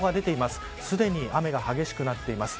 すでに雨が激しくなっています。